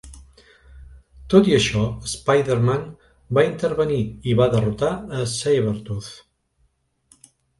Tot i això, Spider-Man va intervenir i va derrotar a Sabretooth.